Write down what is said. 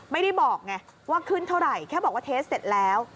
ไม่ได้บอกไงว่าขึ้นเท่าไหร่แค่บอกว่าเทสเสร็จแล้ว